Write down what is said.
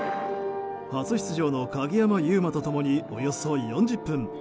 初出場の鍵山優真と共におよそ４０分。